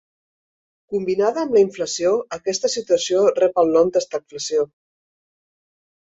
Combinada amb inflació aquesta situació rep el nom d'estagflació.